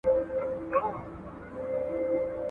له وختونو مي تر زړه ویني څڅیږي